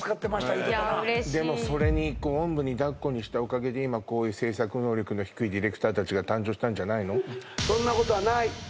言うとったないや嬉しいでもそれにおんぶにだっこにしたおかげで今こういう制作能力の低いディレクターたちが誕生したんじゃないの？